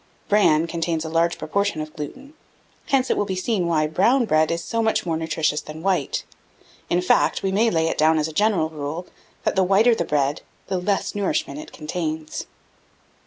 Bran contains a large proportion of gluten; hence it will be seen why brown broad is so much more nutritious than white; in fact, we may lay it down as a general rule, that the whiter the bread the less nourishment it contains.